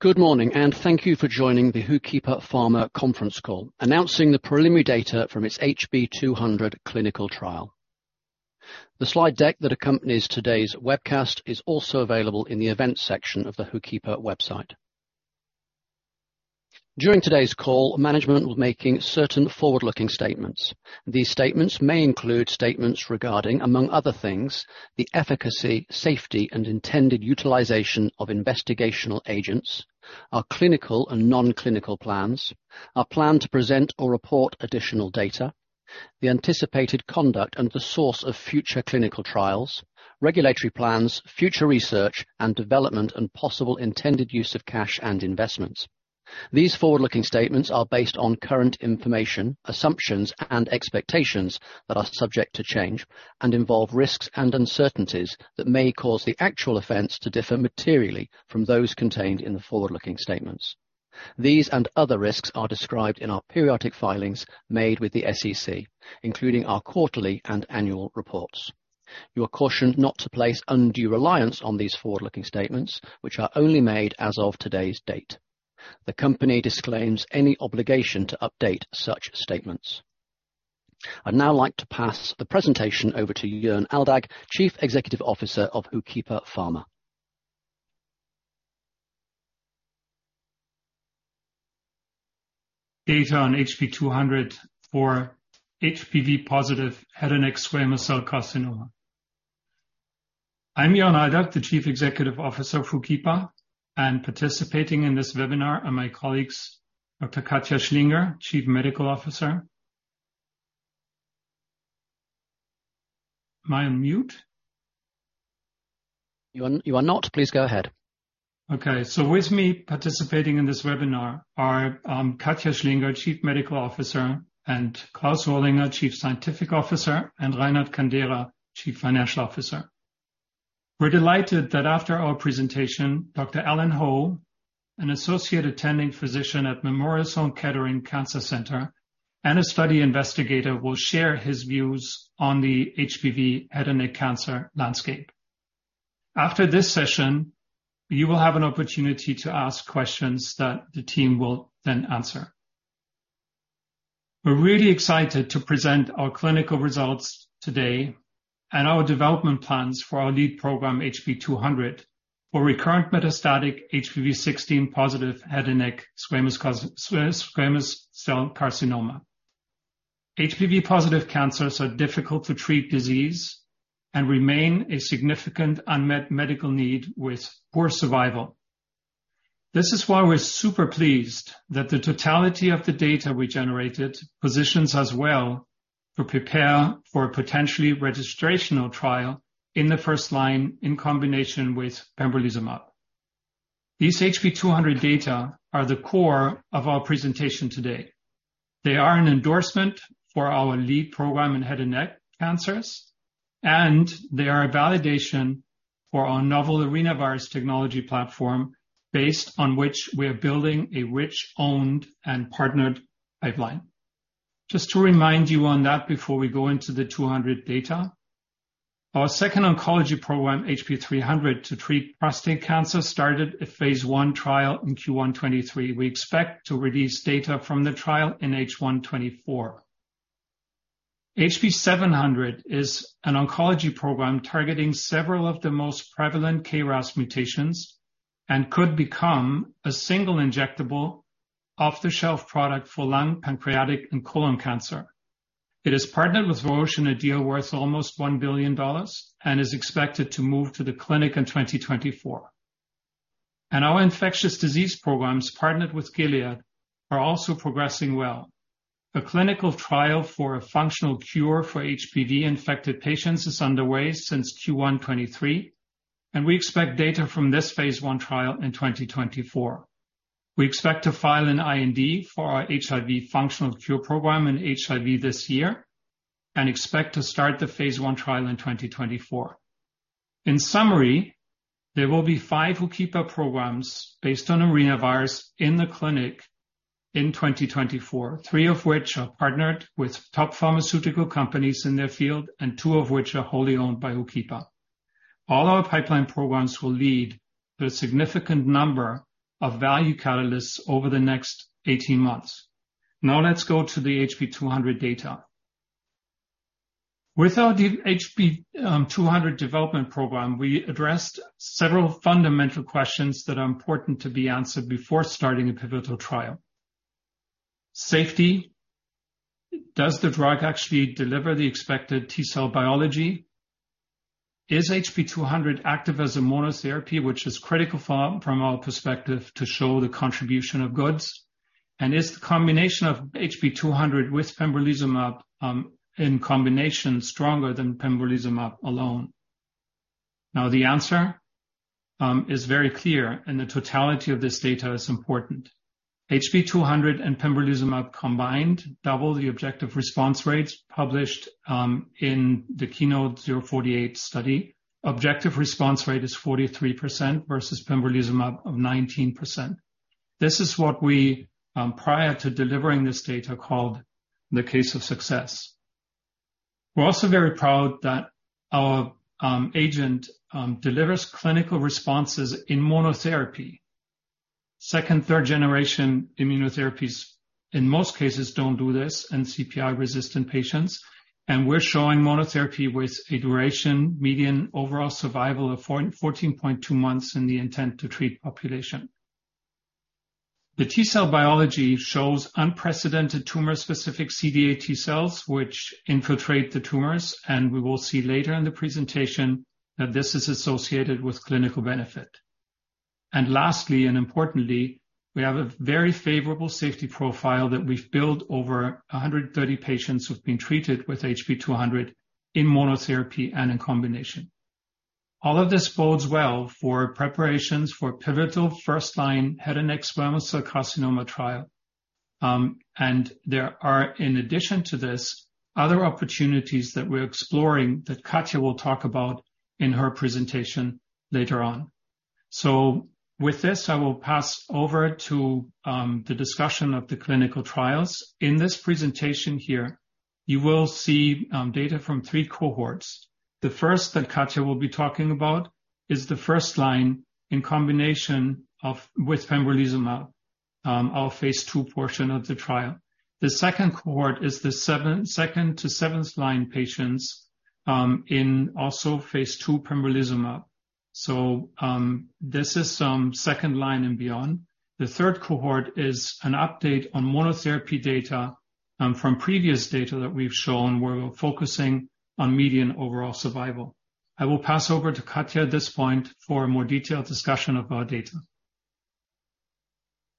Good morning, and thank you for joining the HOOKIPA Pharma Conference Call, announcing the preliminary data from its HB-200 clinical trial. The slide deck that accompanies today's webcast is also available in the Events section of the HOOKIPA website. During today's call, management will be making certain forward-looking statements. These statements may include statements regarding, among other things, the efficacy, safety, and intended utilization of investigational agents, our clinical and non-clinical plans, our plan to present or report additional data, the anticipated conduct and the source of future clinical trials, regulatory plans, future research and development, and possible intended use of cash and investments. These forward-looking statements are based on current information, assumptions, and expectations that are subject to change and involve risks and uncertainties that may cause the actual events to differ materially from those contained in the forward-looking statements. These and other risks are described in our periodic filings made with the SEC, including our quarterly and annual reports. You are cautioned not to place undue reliance on these forward-looking statements, which are only made as of today's date. The company disclaims any obligation to update such statements. I'd now like to pass the presentation over to Jörn Aldag, Chief Executive Officer of HOOKIPA Pharma. Data on HB-200 for HPV positive head and neck squamous cell carcinoma. I'm Jörn Aldag, the Chief Executive Officer of HOOKIPA, participating in this webinar are my colleagues, Dr. Katia Schlienger, Chief Medical Officer. Am I on mute? You are not. Please go ahead. With me, participating in this webinar are Katia Schlienger, Chief Medical Officer, Klaus Orlinger, Chief Scientific Officer, and Reinhard Kandera, Chief Financial Officer. We're delighted that after our presentation, Dr. Alan Ho, an associate attending physician at Memorial Sloan Kettering Cancer Center and a study investigator, will share his views on the HPV head and neck cancer landscape. After this session, you will have an opportunity to ask questions that the team will then answer. We're really excited to present our clinical results today and our development plans for our lead program, HB-200, for recurrent metastatic HPV 16-positive head and neck squamous cell carcinoma. HPV-positive cancers are difficult to treat disease and remain a significant unmet medical need with poor survival. This is why we're super pleased that the totality of the data we generated positions us well to prepare for a potentially registrational trial in the first line in combination with pembrolizumab. These HB-200 data are the core of our presentation today. They are an endorsement for our lead program in head and neck cancers, and they are a validation for our novel arenavirus technology platform, based on which we are building a rich, owned and partnered pipeline. Just to remind you on that before we go into the HB-200 data, our second oncology program, HP-300, to treat prostate cancer, started a phase I trial in Q1 2023. We expect to release data from the trial in H1 2024. HB-700 is an oncology program targeting several of the most prevalent KRAS mutations and could become a single injectable, off-the-shelf product for lung, pancreatic, and colon cancer. It is partnered with Roche in a deal worth almost $1 billion and is expected to move to the clinic in 2024. Our infectious disease programs, partnered with Gilead, are also progressing well. A clinical trial for a functional cure for HPV-infected patients is underway since Q1 2023, and we expect data from this phase I trial in 2024. We expect to file an IND for our HIV functional cure program in HIV this year and expect to start the phase I trial in 2024. In summary, there will be 5 HOOKIPA programs based on arenavirus in the clinic in 2024, 3 of which are partnered with top pharmaceutical companies in their field and 2 of which are wholly owned by HOOKIPA. All our pipeline programs will lead to a significant number of value catalysts over the next 18 months. Let's go to the HB-200 data. With our HB-200 development program, we addressed several fundamental questions that are important to be answered before starting a pivotal trial. Safety. Does the drug actually deliver the expected T-cell biology? Is HB-200 active as a monotherapy, which is critical for, from our perspective, to show the contribution of goods? Is the combination of HB-200 with pembrolizumab in combination stronger than pembrolizumab alone? The answer is very clear, and the totality of this data is important. HP-two hundred and pembrolizumab combined double the objective response rates published in the KEYNOTE-048 study. Objective response rate is 43% versus pembrolizumab of 19%. This is what we prior to delivering this data, called the case of success. We're also very proud that our agent delivers clinical responses in monotherapy. Second, third generation immunotherapies, in most cases, don't do this in CPI-resistant patients, and we're showing monotherapy with a duration median overall survival of 14.2 months in the intent to treat population. The T-cell biology shows unprecedented tumor-specific CD8 T-cells, which infiltrate the tumors, and we will see later in the presentation that this is associated with clinical benefit. Lastly, and importantly, we have a very favorable safety profile that we've built over 130 patients who've been treated with HB-200 in monotherapy and in combination. All of this bodes well for preparations for pivotal first-line head and neck squamous cell carcinoma trial. There are, in addition to this, other opportunities that we're exploring that Katya will talk about in her presentation later on. With this, I will pass over to the discussion of the clinical trials. In this presentation here, you will see data from 3 cohorts. The first that Katya will be talking about is the first line in combination with pembrolizumab, our phase II portion of the trial. The second cohort is the second to seventh line patients, in also phase II pembrolizumab. This is second line and beyond. The third cohort is an update on monotherapy data, from previous data that we've shown, where we're focusing on median overall survival. I will pass over to Katia at this point for a more detailed discussion of our data.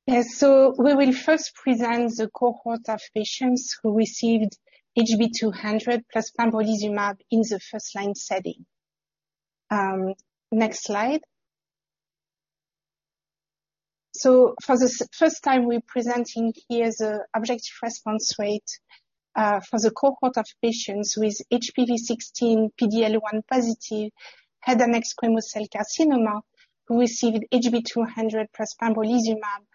Yes. We will first present the cohort of patients who received HB-200 plus pembrolizumab in the first-line setting. Next slide. For the first time, we're presenting here the objective response rate for the cohort of patients with HPV 16 PD-L1 positive head and neck squamous cell carcinoma, who received HB-200 plus pembrolizumab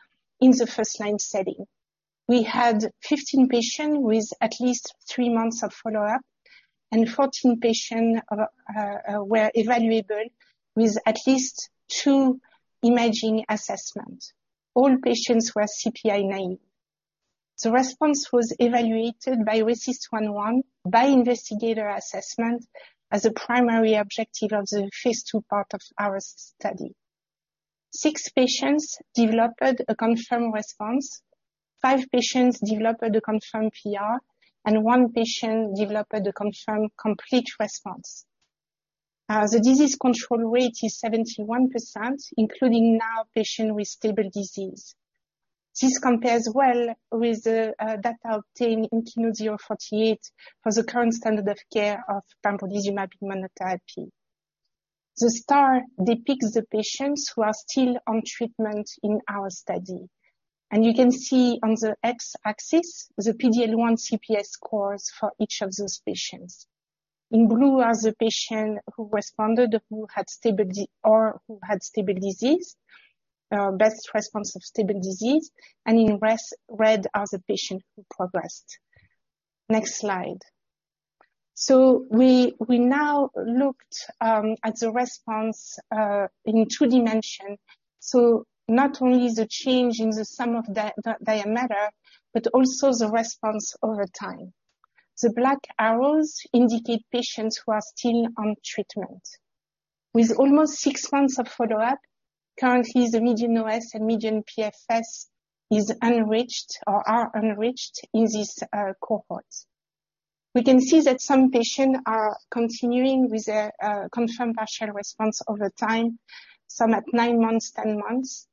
in the first-line setting. We had 15 patients with at least 3 months of follow-up, and 14 patients were evaluable with at least 2 imaging assessments. All patients were CPI naive. The response was evaluated by RECIST 1.1 by investigator assessment as a primary objective of the phase II part of our study. 6 patients developed a confirmed response, 5 patients developed a confirmed PR, and 1 patient developed a confirmed complete response. The disease control rate is 71%, including now patients with stable disease. This compares well with the data obtained in KEYNOTE-048 for the current standard of care of pembrolizumab in monotherapy. The star depicts the patients who are still on treatment in our study, and you can see on the x-axis, the PD-L1 CPS scores for each of those patients. In blue are the patients who responded, who had stable disease, best response of stable disease, and in red are the patients who progressed. Next slide. We now looked at the response in 2 dimensions. Not only the change in the sum of diameter, but also the response over time. The black arrows indicate patients who are still on treatment. With almost 6 months of follow-up, currently, the median OS and median PFS is unreached or are unreached in this cohort. We can see that some patients are continuing with a confirmed partial response over time, some at 9 months, 10 months.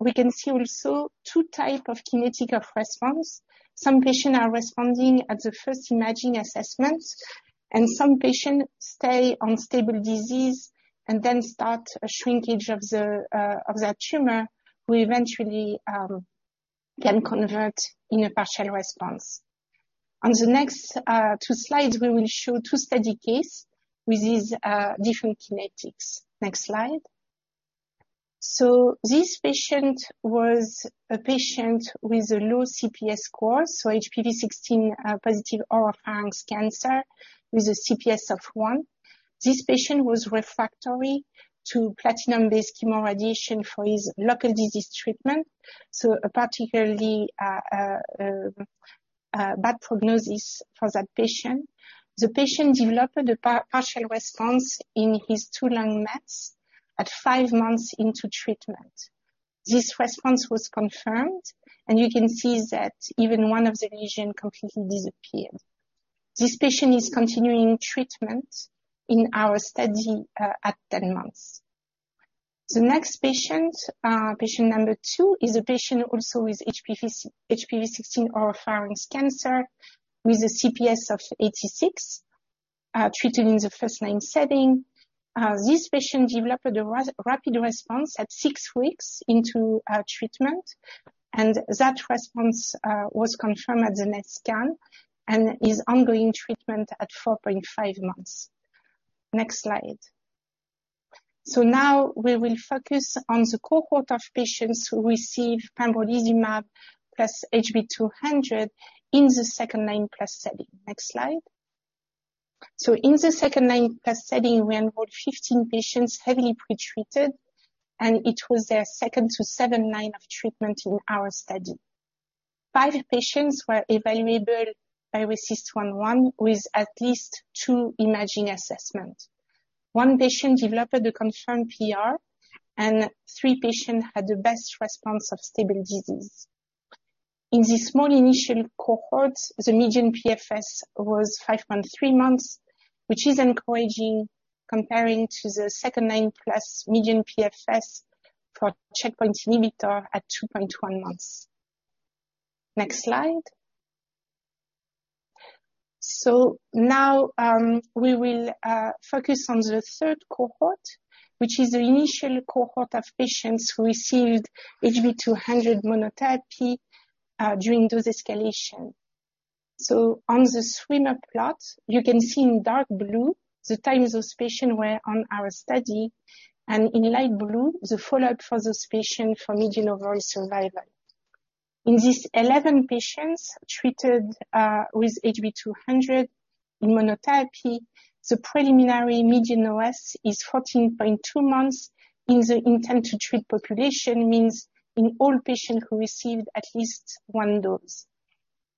We can see also two type of kinetic of response. Some patients are responding at the first imaging assessment, and some patients stay on stable disease and then start a shrinkage of the of that tumor, who eventually can convert in a partial response. On the next 2 slides, we will show 2 study cases with these different kinetics. Next slide. This patient was a patient with a low CPS score, HPV 16 positive oropharynx cancer with a CPS of 1. This patient was refractory to platinum-based chemo radiation for his local disease treatment, a particularly bad prognosis for that patient. The patient developed a partial response in his 2 lung mets at 5 months into treatment. This response was confirmed, and you can see that even one of the lesions completely disappeared. This patient is continuing treatment in our study at 10 months. The next patient number 2, is a patient also with HPV 16 oropharynx cancer with a CPS of 86, treated in the first-line setting. This patient developed a rapid response at 6 weeks into treatment, and that response was confirmed at the next scan and is ongoing treatment at 4.5 months. Next slide.... Now we will focus on the cohort of patients who received pembrolizumab plus HB-200 in the 2nd-line plus study. Next slide. In the 2nd-line plus study, we enrolled 15 patients heavily pretreated, and it was their 2nd to 7th line of treatment in our study. 5 patients were evaluable by RECIST 1.1, with at least 2 imaging assessments. 1 patient developed a confirmed PR, and 3 patients had the best response of stable disease. In this small initial cohort, the median PFS was 5.3 months, which is encouraging comparing to the 2nd-line plus median PFS for checkpoint inhibitor at 2.1 months. Next slide. Now we will focus on the 3rd cohort, which is the initial cohort of patients who received HB-200 monotherapy during dose escalation. On the swimmer plot, you can see in dark blue the times those patients were on our study, and in light blue, the follow-up for this patient for median overall survival. In these 11 patients treated with HB-200 in monotherapy, the preliminary median OS is 14.2 months in the intent to treat population, means in all patients who received at least one dose.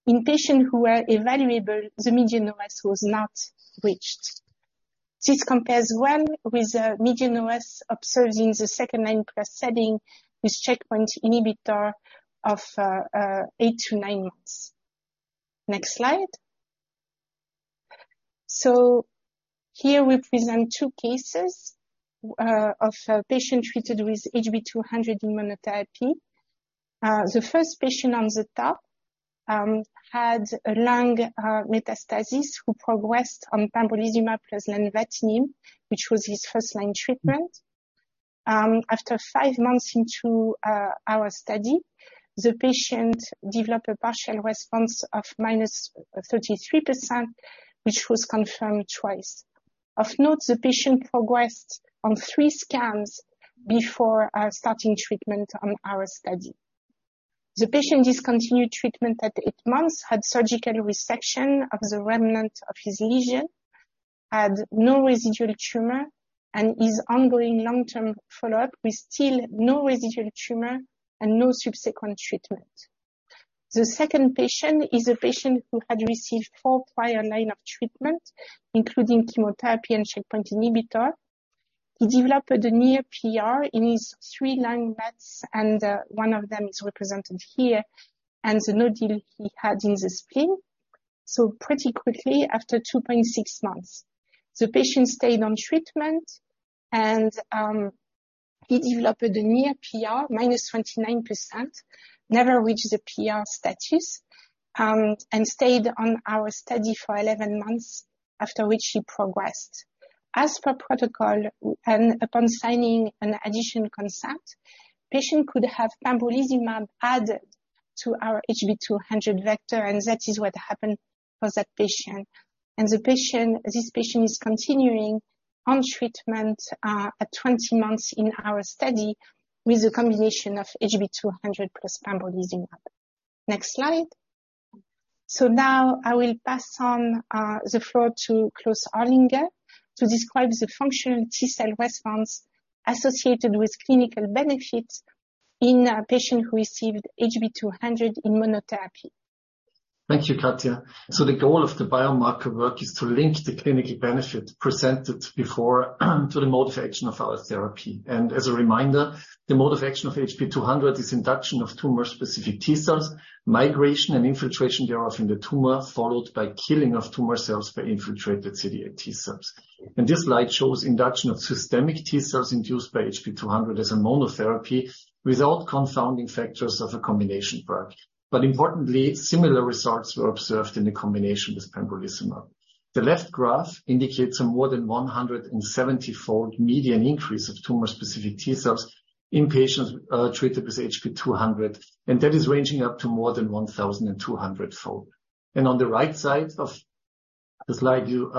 In patients who were evaluable, the median OS was not reached. This compares well with the median OS observed in the 2nd-line plus setting with checkpoint inhibitor of 8-9 months. Next slide. Here we present 2 cases of a patient treated with HB-200 in monotherapy. The first patient on the top had a lung metastasis who progressed on pembrolizumab plus lenvatinib, which was his first-line treatment. After 5 months into our study, the patient developed a partial response of -33%, which was confirmed twice. Of note, the patient progressed on 3 scans before starting treatment on our study. The patient discontinued treatment at 8 months, had surgical resection of the remnant of his lesion, had no residual tumor, and is ongoing long-term follow-up with still no residual tumor and no subsequent treatment. The second patient is a patient who had received 4 prior line of treatment, including chemotherapy and checkpoint inhibitor. He developed a near PR in his 3 lung mets, and one of them is represented here, and the nodule he had in the spleen. Pretty quickly, after 2.6 months, the patient stayed on treatment and he developed a near PR, -29%, never reached the PR status and stayed on our study for 11 months, after which he progressed. As per protocol and upon signing an additional consent, patient could have pembrolizumab added to our HB-200 vector, and that is what happened for that patient. This patient is continuing on treatment at 20 months in our study with a combination of HB-200 plus pembrolizumab. Next slide. Now I will pass on the floor to Klaus Orlinger to describe the functional T-cell response associated with clinical benefits in a patient who received HB-200 in monotherapy. Thank you, Katia. The goal of the biomarker work is to link the clinical benefit presented before, to the mode of action of our therapy. As a reminder, the mode of action of HB-200 is induction of tumor-specific T-cells, migration and infiltration thereof in the tumor, followed by killing of tumor cells by infiltrated CD8 T-cells. This slide shows induction of systemic T-cells induced by HB-200 as a monotherapy without confounding factors of a combination drug. Importantly, similar results were observed in the combination with pembrolizumab. The left graph indicates a more than 170-fold median increase of tumor-specific T-cells in patients treated with HB-200, and that is ranging up to more than 1,200-fold. On the right side of the slide, you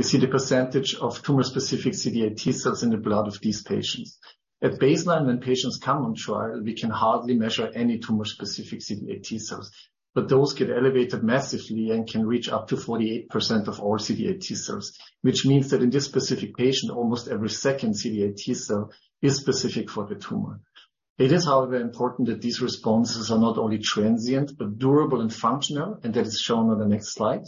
see the percentage of tumor-specific CD8 T-cells in the blood of these patients. At baseline, when patients come on trial, we can hardly measure any tumor-specific CD8 T-cells, but those get elevated massively and can reach up to 48% of all CD8 T-cells, which means that in this specific patient, almost every second CD8 T-cell is specific for the tumor. It is, however, important that these responses are not only transient, but durable and functional, and that is shown on the next slide.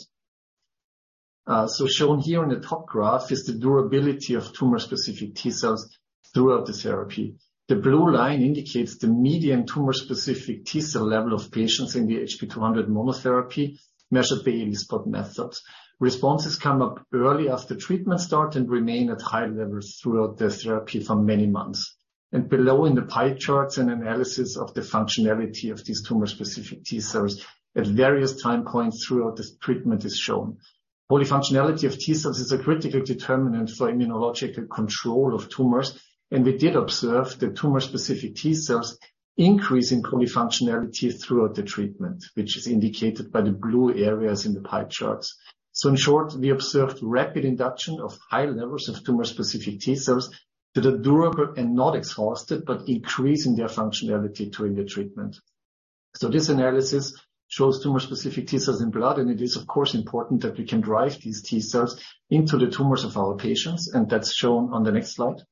Shown here on the top graph is the durability of tumor-specific T-cells throughout the therapy. The blue line indicates the median tumor-specific T-cell level of patients in the HB-200 monotherapy, measured by ELISpot methods. Responses come up early as the treatment start and remain at high levels throughout the therapy for many months. Below, in the pie charts, an analysis of the functionality of these tumor-specific T-cells at various time points throughout this treatment is shown. While the functionality of T-cells is a critical determinant for immunological control of tumors. We did observe the tumor-specific T-cells increase in polyfunctionality throughout the treatment, which is indicated by the blue areas in the pie charts. In short, we observed rapid induction of high levels of tumor-specific T-cells that are durable and not exhausted, but increase in their functionality during the treatment. This analysis shows tumor-specific T-cells in blood, and it is, of course, important that we can drive these T-cells into the tumors of our patients, and that's shown on the next slide.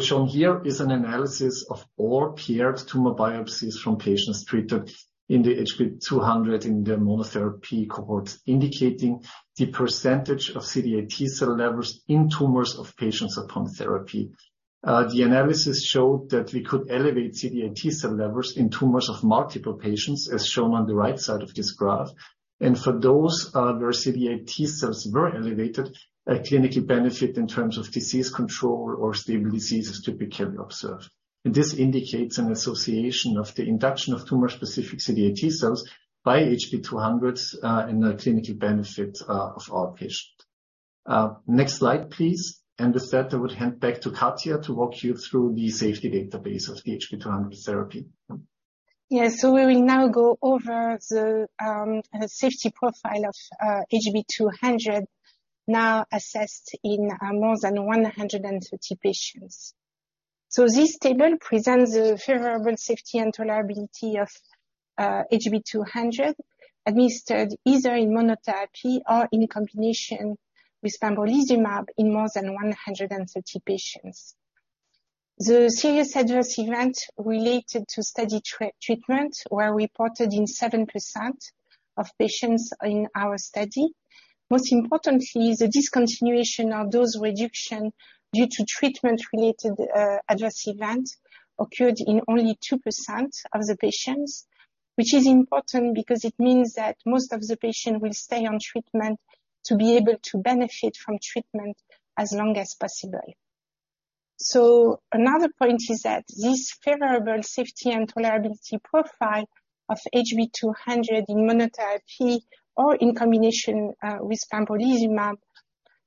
Shown here is an analysis of all paired tumor biopsies from patients treated in the HB-200, in the monotherapy cohorts, indicating the perecentage of T-cell levels in tumors of patients upon therapy. The analysis showed that we could elevate T-cell levels in tumors of multiple patients, as shown on the right side of this graph. For those, where T-cells were elevated, a clinical benefit in terms of disease control or stable disease is typically observed. This indicates an association of the induction of tumor-specific T-cells by HB-200, in the clinical benefit, of our patients. Next slide, please. With that, I would hand back to Katia to walk you through the safety database of the HB-200 therapy. Yes. We will now go over the safety profile of HB-200, now assessed in more than 130 patients. This table presents a favorable safety and tolerability of HB-200, administered either in monotherapy or in combination with pembrolizumab in more than 130 patients. The serious adverse event related to study treatment were reported in 7% of patients in our study. Most importantly, the discontinuation of dose reduction due to treatment-related adverse event occurred in only 2% of the patients, which is important because it means that most of the patients will stay on treatment to be able to benefit from treatment as long as possible. Another point is that this favorable safety and tolerability profile of HB-200 in monotherapy or in combination with pembrolizumab,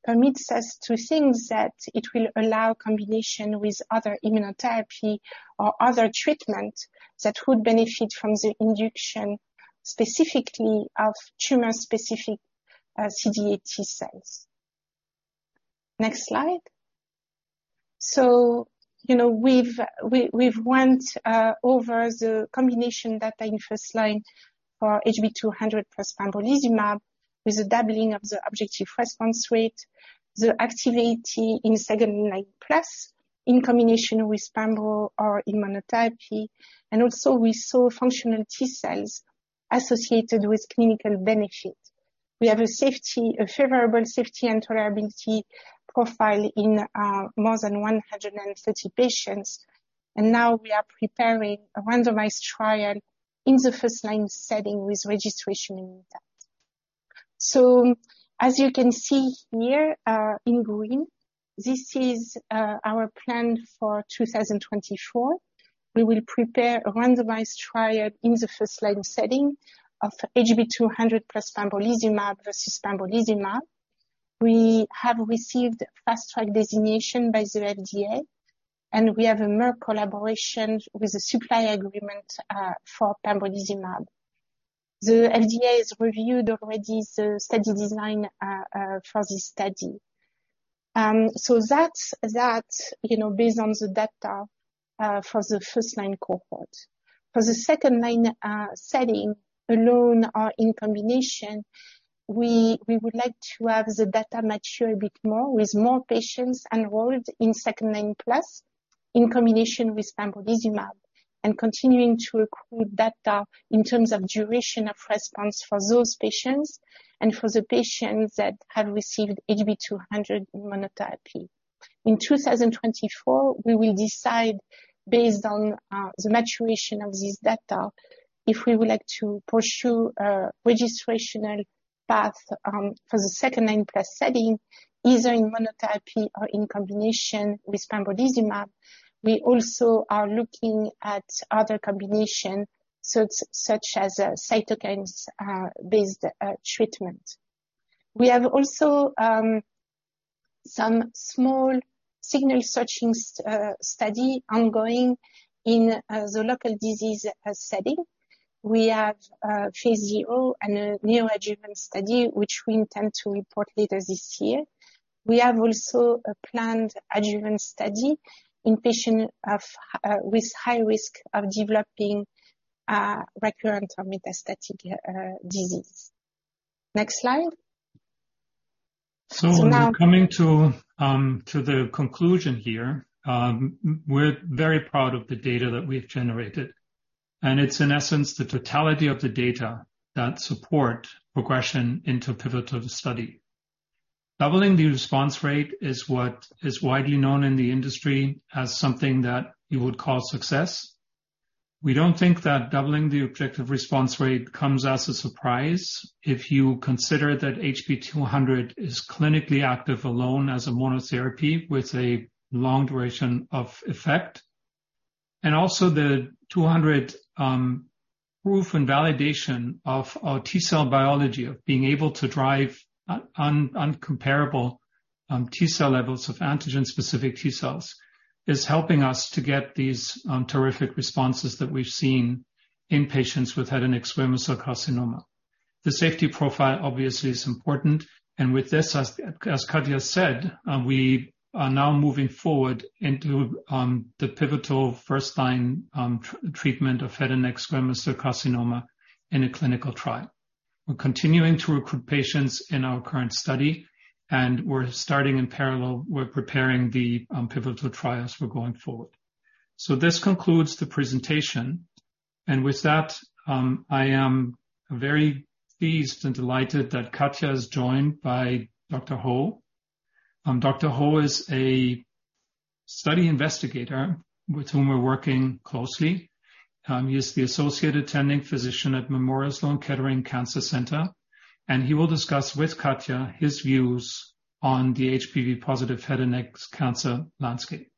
permits us to think that it will allow combination with other immunotherapy or other treatment that would benefit from the induction, specifically of tumor-specific CD8 T-cells. Next slide. You know, we've went over the combination data in first line for HB-200 plus pembrolizumab, with a doubling of the objective response rate, the activity in second-line plus in combination with pembro or in monotherapy, and also we saw functional T-cells associated with clinical benefit. We have a favorable safety and tolerability profile in more than 130 patients, and now we are preparing a randomized trial in the first line setting with registration in that. As you can see here, in green, this is our plan for 2024. We will prepare a randomized trial in the first-line setting of HB-200 plus pembrolizumab versus pembrolizumab. We have received Fast Track designation by the FDA, and we have a Merck collaboration with a supply agreement for pembrolizumab. The FDA has reviewed already the study design for this study. That's, you know, based on the data for the first-line cohort. For the second-line setting, alone or in combination, we would like to have the data mature a bit more, with more patients enrolled in second-line plus in combination with pembrolizumab and continuing to accrue data in terms of duration of response for those patients and for the patients that have received HB-200 monotherapy. In 2024, we will decide, based on the maturation of this data, if we would like to pursue a registrational path for the 2nd-line plus setting, either in monotherapy or in combination with pembrolizumab. We also are looking at other combination, such as cytokines based treatment. We have also some small signal searching study ongoing in the local disease setting. We have phase 0 and a neoadjuvant study, which we intend to report later this year. We have also a planned adjuvant study in patients with high risk of developing recurrent or metastatic disease. Next slide. We're coming to the conclusion here. We're very proud of the data that we've generated, and it's in essence, the totality of the data that support progression into pivotal study. Doubling the response rate is what is widely known in the industry as something that you would call success. We don't think that doubling the objective response rate comes as a surprise, if you consider that HB-200 is clinically active alone as a monotherapy with a long duration of effect. Also HB-200, proof and validation of our T-cell biology, of being able to drive incomparable T-cell levels of antigen-specific T-cells, is helping us to get these terrific responses that we've seen in patients with head and neck squamous cell carcinoma. The safety profile, obviously, is important, and with this, as Katia said, we are now moving forward into the pivotal first-line treatment of head and neck squamous cell carcinoma in a clinical trial. We're continuing to recruit patients in our current study, and we're starting in parallel, we're preparing the pivotal trials for going forward. This concludes the presentation. With that, I am very pleased and delighted that Katia is joined by Dr. Ho. Dr. Ho is a study investigator with whom we're working closely. He is the associate attending physician at Memorial Sloan Kettering Cancer Center, and he will discuss with Katia his views on the HPV positive head and neck cancer landscape.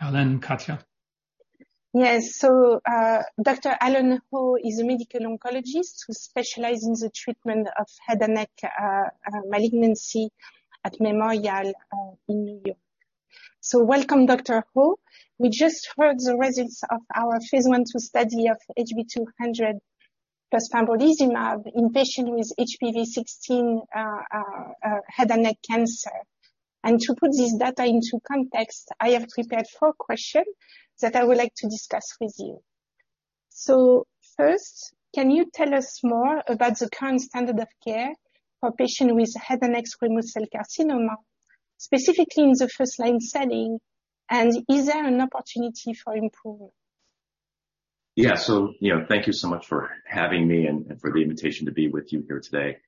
Katia. Yes. Dr. Alan Ho is a medical oncologist who specializes in the treatment of head and neck malignancy at Memorial in New York. Welcome, Dr. Ho. We just heard the results of our phase I/II study of HB-200 plus pembrolizumab in patients with HPV 16 head and neck cancer. To put this data into context, I have prepared four questions that I would like to discuss with you. First, can you tell us more about the current standard of care for patients with head and neck squamous cell carcinoma, specifically in the first line setting, and is there an opportunity for improvement? Yeah. You know, thank you so much for having me and for the invitation to be with you here today.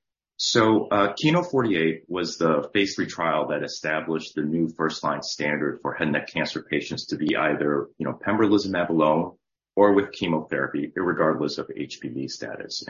KEYNOTE-048 was the phase III trial that established the new first-line standard for head neck cancer patients to be either, you know, pembrolizumab alone or with chemotherapy, regardless of HPV status.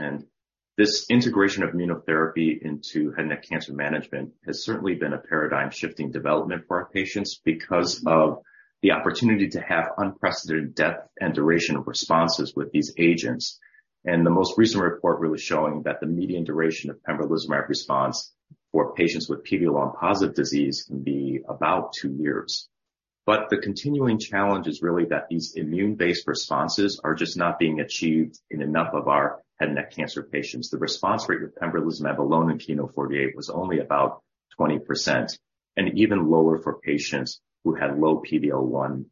This integration of immunotherapy into head neck cancer management has certainly been a paradigm-shifting development for our patients because of the opportunity to have unprecedented depth and duration of responses with these agents. The most recent report really showing that the median duration of pembrolizumab response for patients with PD-L1 positive disease can be about 2 years. The continuing challenge is really that these immune-based responses are just not being achieved in enough of our head neck cancer patients. The response rate with pembrolizumab alone in KEYNOTE-048 was only about 20%, and even lower for patients who had low PD-L1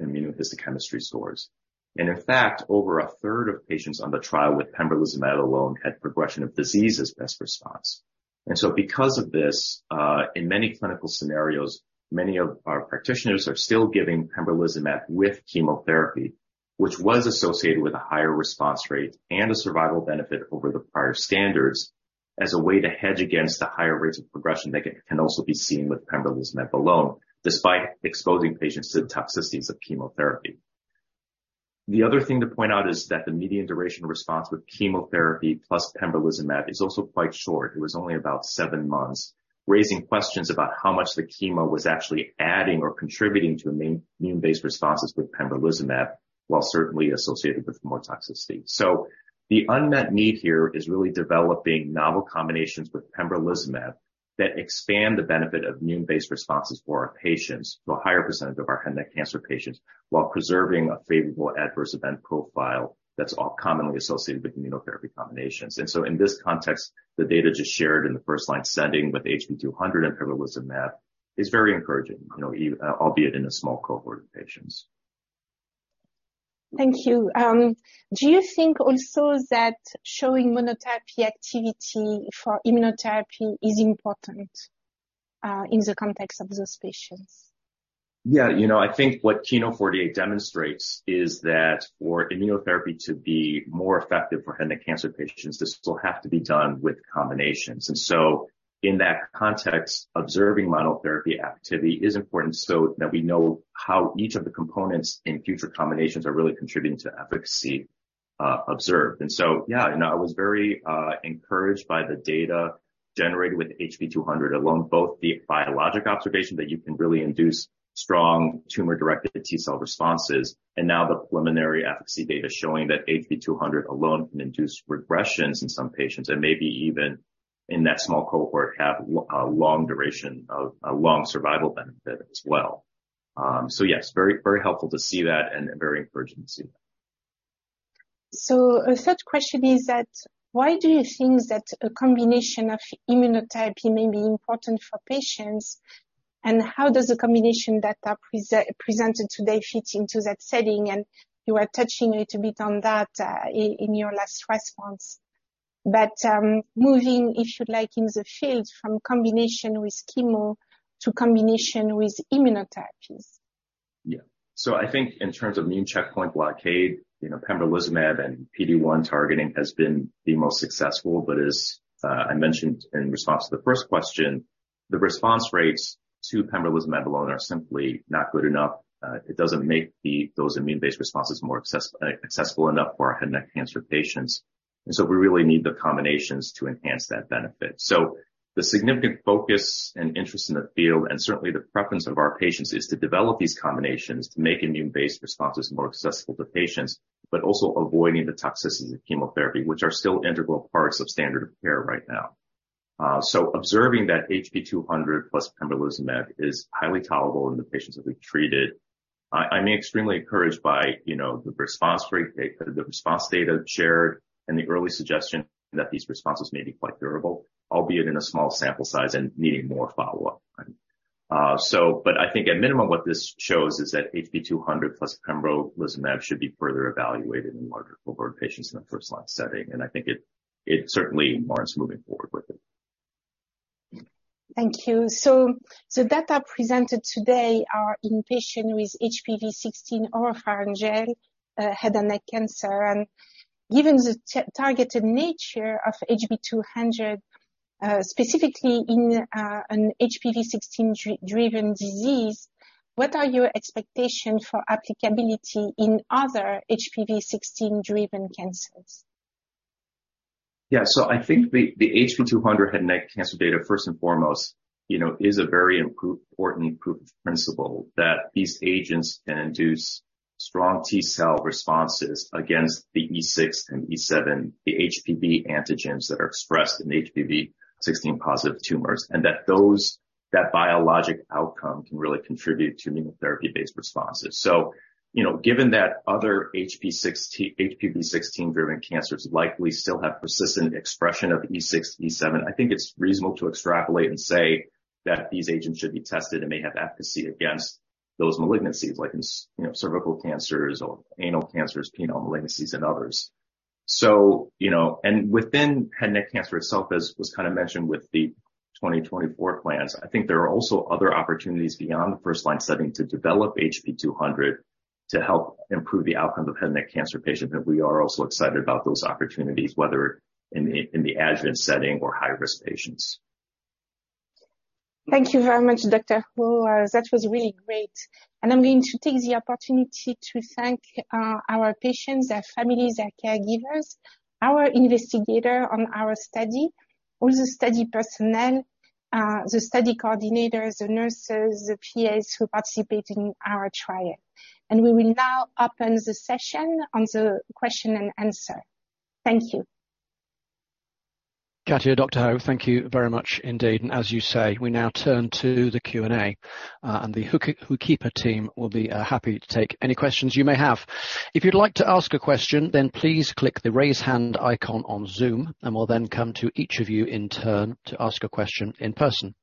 immunohistochemistry scores. In fact, over a third of patients on the trial with pembrolizumab alone had progression of disease as best response. Because of this, in many clinical scenarios, many of our practitioners are still giving pembrolizumab with chemotherapy, which was associated with a higher response rate and a survival benefit over the prior standards, as a way to hedge against the higher rates of progression that can also be seen with pembrolizumab alone, despite exposing patients to the toxicities of chemotherapy. The other thing to point out is that the median duration response with chemotherapy plus pembrolizumab is also quite short. It was only about 7 months, raising questions about how much the chemo was actually adding or contributing to immune-based responses with pembrolizumab, while certainly associated with more toxicity. The unmet need here is really developing novel combinations with pembrolizumab that expand the benefit of immune-based responses for our patients, to a higher percentage of our head neck cancer patients, while preserving a favorable adverse event profile that's all commonly associated with immunotherapy combinations. In this context, the data just shared in the first-line setting with HB-200 and pembrolizumab is very encouraging, you know, albeit in a small cohort of patients. Thank you. Do you think also that showing monotherapy activity for immunotherapy is important in the context of those patients? Yeah, you know, I think what KEYNOTE-048 demonstrates is that for immunotherapy to be more effective for head neck cancer patients, this will have to be done with combinations. In that context, observing monotherapy activity is important so that we know how each of the components in future combinations are really contributing to efficacy observed. Yeah, you know, I was very encouraged by the data generated with HB-200 along both the biologic observation, that you can really induce strong tumor-directed T-cell responses, and now the preliminary efficacy data showing that HB-200 alone can induce regressions in some patients, and maybe even in that small cohort, have a long duration, a long survival benefit as well. So yes, very, very helpful to see that and very encouraging to see that. A third question is that why do you think that a combination of immunotherapy may be important for patients? How does the combination data presented today fit into that setting? You are touching a little bit on that, in your last response, but moving, if you like, in the field from combination with chemo to combination with immunotherapies. I think in terms of immune checkpoint blockade, you know, pembrolizumab and PD-1 targeting has been the most successful. As I mentioned in response to the first question, the response rates to pembrolizumab alone are simply not good enough. It doesn't make those immune-based responses more accessible enough for our head neck cancer patients. We really need the combinations to enhance that benefit. The significant focus and interest in the field, and certainly the preference of our patients, is to develop these combinations to make immune-based responses more accessible to patients, but also avoiding the toxicities of chemotherapy, which are still integral parts of standard of care right now. Observing that HB-200 plus pembrolizumab is highly tolerable in the patients that we've treated, I'm extremely encouraged by, you know, the response rate, the response data shared, and the early suggestion that these responses may be quite durable, albeit in a small sample size and needing more follow-up. I think at minimum, what this shows is that HB-200 plus pembrolizumab should be further evaluated in larger cohort patients in a first-line setting, and I think it certainly warrants moving forward with it. Thank you. Data presented today are in patient with HPV 16 oropharyngeal, head and neck cancer. Given the targeted nature of HP-200, specifically in an HPV 16 driven disease, what are your expectations for applicability in other HPV 16-driven cancers? Yeah. I think theHB-200 head and neck cancer data, first and foremost, you know, is a very important proof of principle that these agents can induce strong T-cell responses against the E6 and E7, the HPV antigens that are expressed in HPV 16 positive tumors, and that those, that biologic outcome can really contribute to immunotherapy-based responses. You know, given that other HPV 16 driven cancers likely still have persistent expression of E6, E7, I think it's reasonable to extrapolate and say that these agents should be tested and may have efficacy against those malignancies, like, you know, cervical cancers or anal cancers, penile malignancies, and others. You know, and within head neck cancer itself, as was kind of mentioned with the 2024 plans, I think there are also other opportunities beyond the first-line setting to develop HB-200 to help improve the outcome of head neck cancer patients, and we are also excited about those opportunities, whether in the, in the adjuvant setting or high-risk patients. Thank you very much, Dr. Ho. That was really great. I'm going to take the opportunity to thank, our patients, their families, their caregivers, our investigator on our study, all the study personnel, the study coordinators, the nurses, the PAs who participated in our trial. We will now open the session on the question and answer. Thank you. Katya, Dr. Ho, thank you very much indeed. As you say, we now turn to the Q&A, and the HOOKIPA team will be happy to take any questions you may have. If you'd like to ask a question, then please click the Raise Hand icon on Zoom, and we'll then come to each of you in turn to ask a question in person.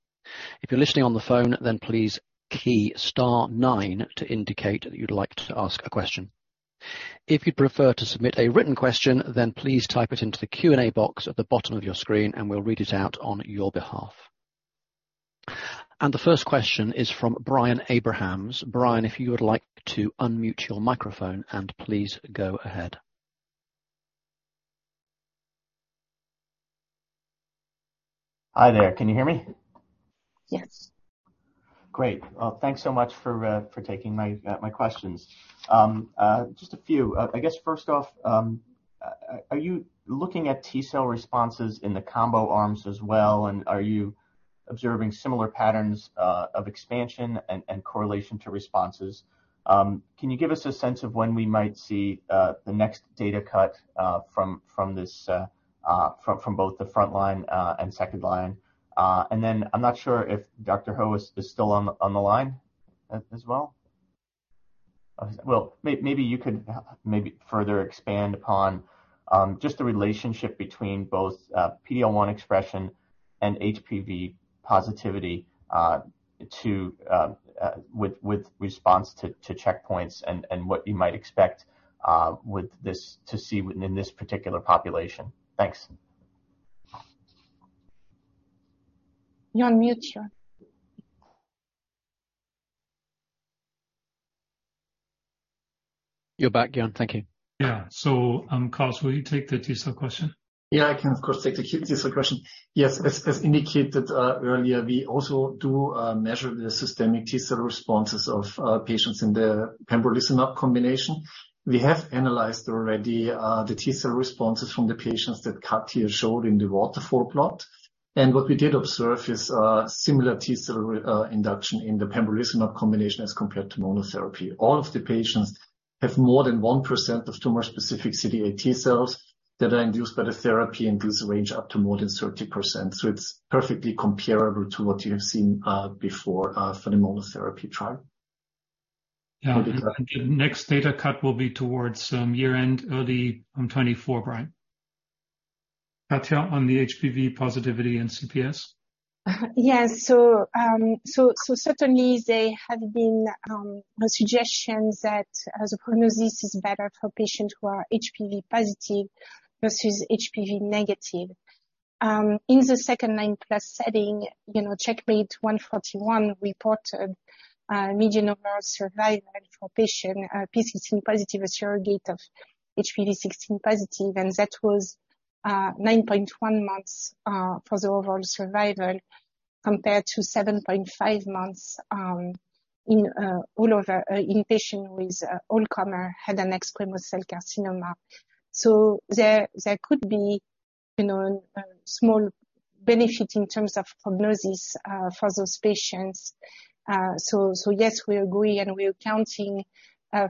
If you're listening on the phone, then please key star nine to indicate that you'd like to ask a question. If you'd prefer to submit a written question, then please type it into the Q&A box at the bottom of your screen, and we'll read it out on your behalf. The first question is from Brian Abrahams. Brian, if you would like to unmute your microphone, and please go ahead. Hi there. Can you hear me? Yes. Great. Well, thanks so much for taking my questions. Just a few. I guess first off, are you looking at T-cell responses in the combo arms as well, and are you observing similar patterns of expansion and correlation to responses? Can you give us a sense of when we might see the next data cut from this from both the front line and second line? Then I'm not sure if Dr. Ho is still on the line as well. Well, maybe you could maybe further expand upon just the relationship between both PD-L1 expression and HPV positivity to with response to checkpoints and what you might expect with this to see in this particular population. Thanks. You're on mute, Jörn. You're back, Jörn. Thank you. Yeah. Klaus, will you take the T-cell question? Yeah, I can, of course, take the T-cell question. Yes, as indicated earlier, we also do measure the systemic T-cell responses of patients in the pembrolizumab combination. We have analyzed already the T-cell responses from the patients that Katia showed in the waterfall plot. What we did observe is similar T-cell induction in the pembrolizumab combination as compared to monotherapy. All of the patients have more than 1% of tumor-specific T-cells that are induced by the therapy and does range up to more than 30%. It's perfectly comparable to what you have seen before for the monotherapy trial. Yeah. The next data cut will be towards, year-end, early in 2024, Brian. Katia, on the HPV positivity and CPS? Yes. Certainly there have been suggestions that the prognosis is better for patients who are HPV positive versus HPV negative. In the 2nd-line plus setting, you know, CheckMate 141 reported median overall survival for patient p16 positive, a surrogate of HPV 16 positive, and that was 9.1 months for the overall survival, compared to 7.5 months in all over in patient with all comer head and neck squamous cell carcinoma. There could be, you know, small benefit in terms of prognosis for those patients. Yes, we agree, and we are counting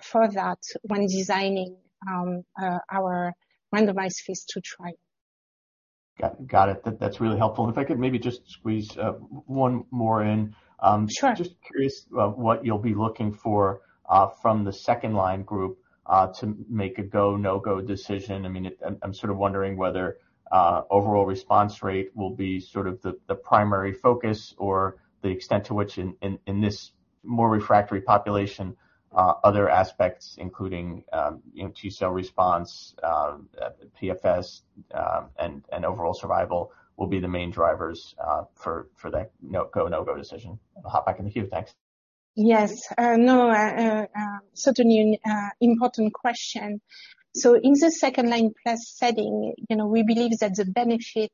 for that when designing our randomized phase II trial. Got it. That's really helpful. If I could maybe just squeeze one more in. Sure. Just curious, what you'll be looking for from the second line group to make a go, no-go decision. I mean, I'm sort of wondering whether overall response rate will be sort of the primary focus or the extent to which in this more refractory population, other aspects, including, you know, T-cell response, PFS, and overall survival will be the main drivers for that go, no-go decision. I'll hop back in the queue. Thanks. Yes. No, certainly an important question. In the 2nd-line plus setting, you know, we believe that the benefit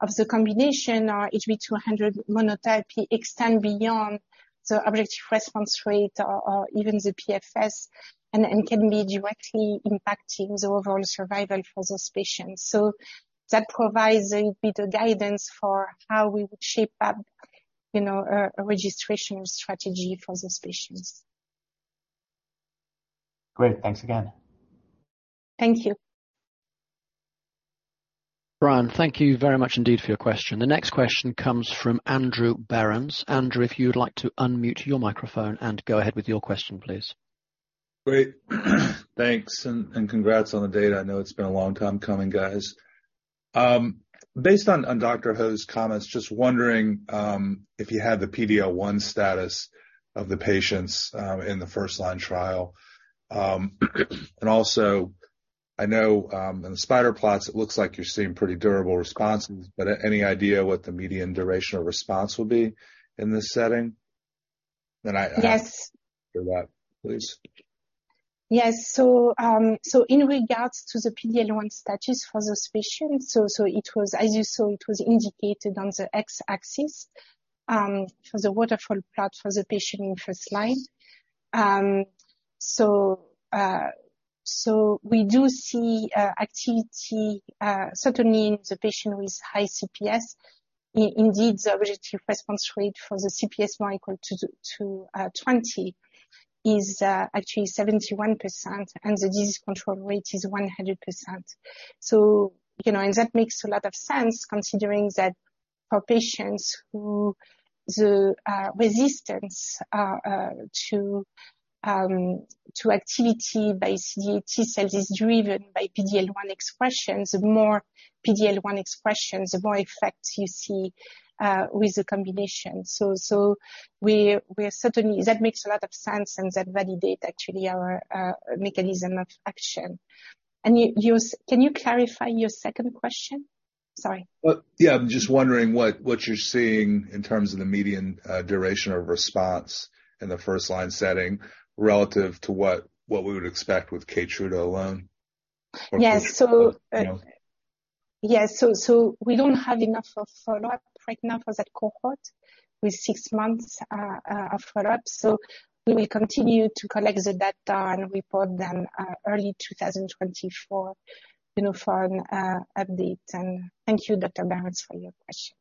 of the combination or HB-200 monotherapy extend beyond the objective response rate or even the PFS, and can be directly impacting the overall survival for those patients. That provides a bit of guidance for how we would shape up, you know, a registration strategy for those patients. Great. Thanks again. Thank you. Brian, thank you very much indeed for your question. The next question comes from Andrew Berens. Andrew, if you'd like to unmute your microphone and go ahead with your question, please. Great. Thanks, and congrats on the data. I know it's been a long time coming, guys. Based on Dr. Ho's comments, just wondering if you had the PD-L1 status of the patients in the first-line trial? Also, I know in the spider plots, it looks like you're seeing pretty durable responses, but any idea what the median duration of response will be in this setting? Yes. For that, please. Yes. In regards to the PD-L1 status for those patients, as you saw, it was indicated on the x-axis for the waterfall plot for the patient in first line. We do see activity certainly in the patient with high CPS. Indeed, the objective response rate for the CPS more equal to 20 is actually 71%, and the disease control rate is 100%. You know, that makes a lot of sense, considering that for patients who the resistance to activity by CD8 T-cells is driven by PD-L1 expressions. The more PD-L1 expressions, the more effects you see with the combination. We are certainly, that makes a lot of sense, and that validate actually our mechanism of action. You, can you clarify your second question? Sorry. Yeah, I'm just wondering what you're seeing in terms of the median duration of response in the first-line setting, relative to what we would expect with KEYTRUDA alone? Yes. You know? Yes. So we don't have enough for follow-up right now for that cohort with six months of follow-up. We will continue to collect the data and report them early 2024, you know, for an update. Thank you, Dr. Berens, for your question.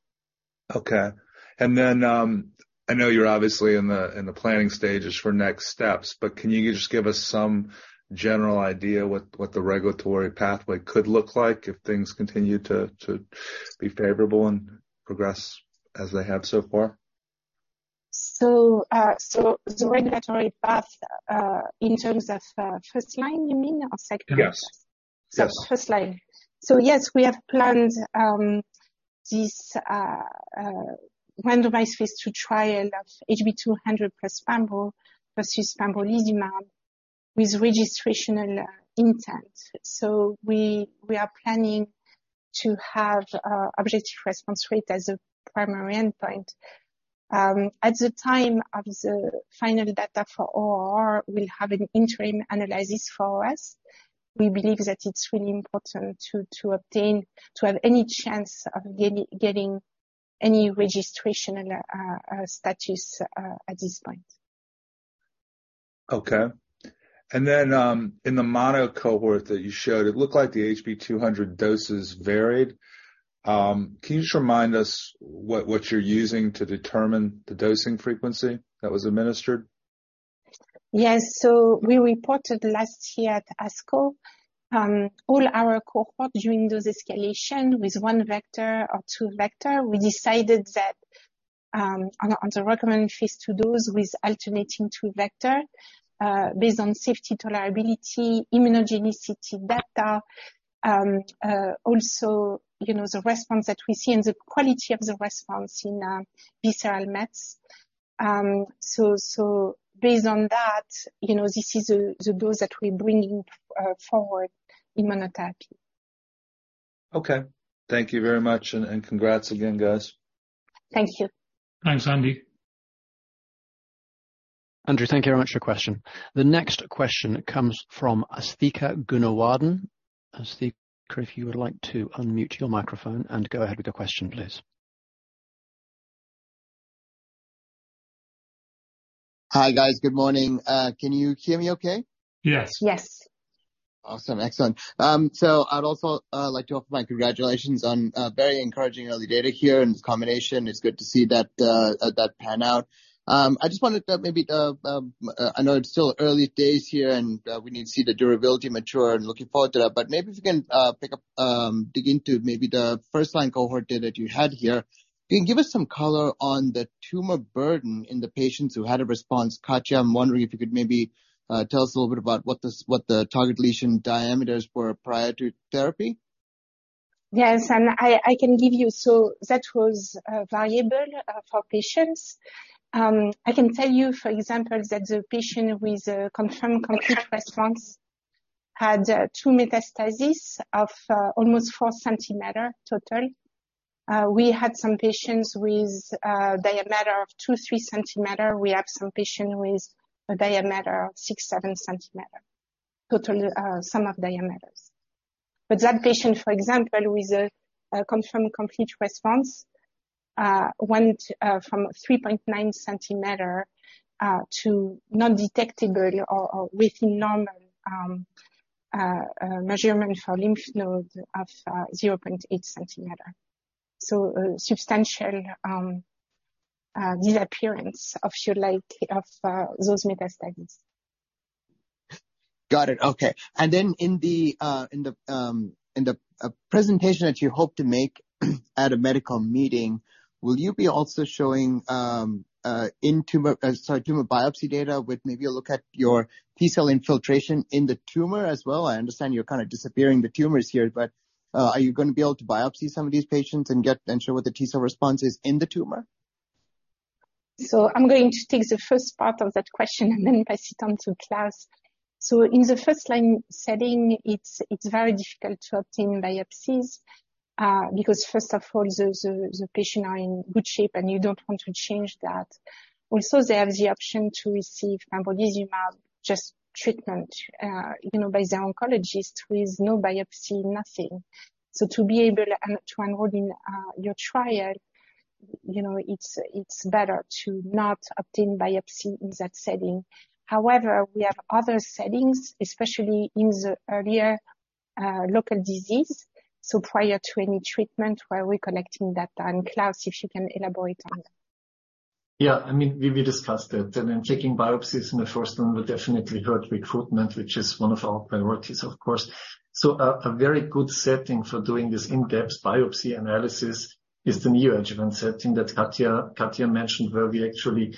Okay. I know you're obviously in the planning stages for next steps, but can you just give us some general idea what the regulatory pathway could look like if things continue to be favorable and progress as they have so far? The regulatory path, in terms of, first line, you mean, or second? Yes. Yes. First line. Yes, we have planned this randomized phase II trial of HB-200 plus versus pembrolizumab with registrational intent. We are planning to have objective response rate as a primary endpoint. At the time of the final data for ORR, we'll have an interim analysis for us. We believe that it's really important to obtain, to have any chance of getting any registrational status at this point. Okay. In the mono cohort that you showed, it looked like the HB-200 doses varied. Can you just remind us what you're using to determine the dosing frequency that was administered? Yes. We reported last year at ASCO, all our cohort during those escalation with 1 vector or 2 vector, we decided that on the recommended phase II dose with alternating 2 vector, based on safety tolerability, immunogenicity data, also, you know, the response that we see and the quality of the response in visceral mets. Based on that, you know, this is the dose that we're bringing forward in monotherapy. Okay. Thank you very much, and congrats again, guys. Thank you. Thanks, Andy. Andrew, thank you very much for your question. The next question comes from Asthika Goonewardene. If you would like to unmute your microphone and go ahead with your question, please. Hi, guys. Good morning. Can you hear me okay? Yes. Yes. Awesome. Excellent. I'd also like to offer my congratulations on very encouraging early data here and combination. It's good to see that that pan out. I just wanted to maybe I know it's still early days here. We need to see the durability mature and looking forward to that. Maybe if you can dig into maybe the first-line cohort data that you had here. Can you give us some color on the tumor burden in the patients who had a response? Katia, I'm wondering if you could maybe tell us a little bit about what the target lesion diameters were prior to therapy? Yes, I can give you. That was variable for patients. I can tell you, for example, that the patient with a confirmed complete response had two metastasis of almost 4 cm total. We had some patients with diameter of 2, 3 cm. We have some patient with a diameter of 6, 7 cm, total sum of diameters. That patient, for example, with a confirmed complete response went from 3.9 cm to non-detectable or within normal measurement for lymph node of 0.8 cm. Substantial disappearance of your like, of those metastasis. Got it. Okay. In the presentation that you hope to make at a medical meeting, will you be also showing in tumor, sorry, tumor biopsy data with maybe a look at your T-cell infiltration in the tumor as well? I understand you're kind of disappearing the tumors here, but are you going to be able to biopsy some of these patients and show what the T-cell response is in the tumor? I'm going to take the first part of that question and then pass it on to Klaus. In the first-line setting, it's very difficult to obtain biopsies because first of all, the patient are in good shape, and you don't want to change that. Also, they have the option to receive pembrolizumab, just treatment, you know, by the oncologist with no biopsy, nothing. To be able to enroll in your trial, you know, it's better to not obtain biopsy in that setting. However, we have other settings, especially in the earlier, local disease, so prior to any treatment where we're collecting data. Klaus, if you can elaborate on that. Yeah, I mean, we discussed it. Taking biopsies in the first one will definitely hurt recruitment, which is one of our priorities, of course. A very good setting for doing this in-depth biopsy analysis is the neoadjuvant setting that Katja mentioned, where we actually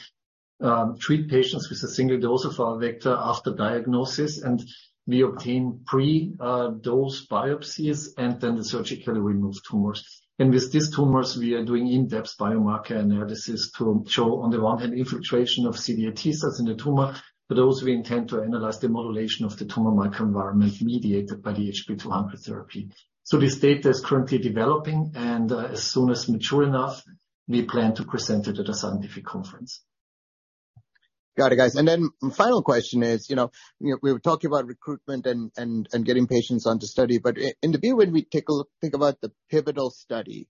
treat patients with a single dose of our vector after diagnosis, and we obtain pre-dose biopsies and then the surgically removed tumors. With these tumors, we are doing in-depth biomarker analysis to show, on the one hand, infiltration of T-cells in the tumor, but also we intend to analyze the modulation of the tumor microenvironment mediated by the HB-200 oncotherapy. This data is currently developing, and as soon as mature enough, we plan to present it at a scientific conference. Got it, guys. Final question is, you know, we were talking about recruitment and getting patients on to study, but in the view when we think about the pivotal study,